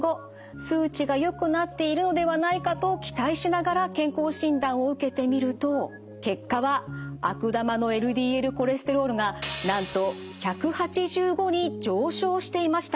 数値がよくなっているのではないかと期待しながら健康診断を受けてみると結果は悪玉のＬＤＬコレステロールがなんと１８５に上昇していました。